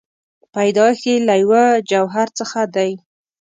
پیدایښت یې له یوه جوهر څخه دی.